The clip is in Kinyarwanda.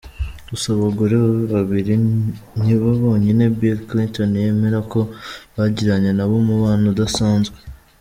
Gusa abagore babiri nibo bonyine Bill Clinton yemera ko yagiranye nabo umubano udasanzwe.